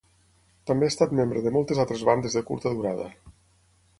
També ha estat membre de moltes altres bandes de curta durada.